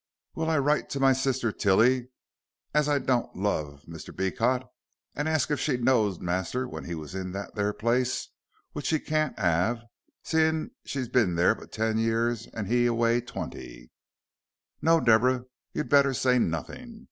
Will I write to my sister Tilly, as I don't love Mr. Beecot, and arsk if she knowed master when he wos in that there place, which she can't 'ave, seeing she's bin there but ten year, and he away twenty?" "No, Deborah, you'd better say nothing.